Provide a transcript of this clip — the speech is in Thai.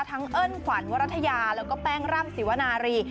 เอิ้นขวัญวรัฐยาแล้วก็แป้งร่ำสิวนารี